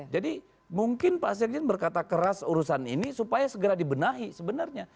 jadi mungkin pak sekjen berkata keras urusan ini supaya segera dibenahi sebenarnya